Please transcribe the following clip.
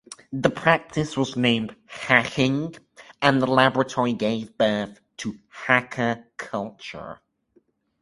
This practice was named "hacking" and the laboratory gave birth to the hacker culture.